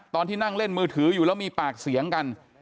ตอนที่นั่งเล่นมือถืออยู่แล้วมีปากเสียงกัน